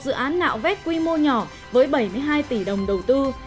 dự án nạo vét quy mô nhỏ với bảy mươi hai tỷ đồng đầu tư